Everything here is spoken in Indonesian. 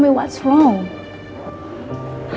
beritahu aku apa yang salah